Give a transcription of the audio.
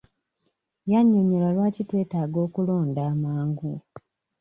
Yannyonnyola lwaki twetaaga okulonda amangu.